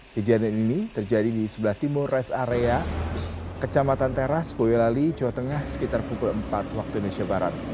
kejadian ini terjadi di sebelah timur res area kecamatan teras boyolali jawa tengah sekitar pukul empat waktu indonesia barat